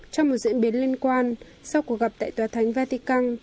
trong một diễn biến liên quan sau cuộc gặp tại tòa thánh vatican